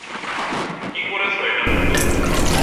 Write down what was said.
কী করেছ এটার ভেতর?